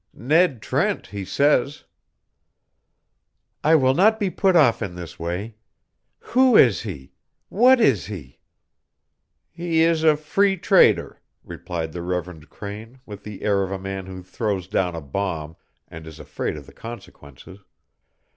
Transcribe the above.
"Ned Trent, he says." "I will not be put off in this way. Who is he? What is he?" "He is a Free Trader," replied the Reverend Crane with the air of a man who throws down a bomb and is afraid of the consequences.